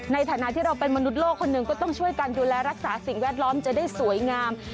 ในฐานะที่เราเป็นมนุษย์โลกคนหนึ่งก็ต้องช่วยกันดูแลรักษาสิ่งแวดล้อมจะได้สวยงาม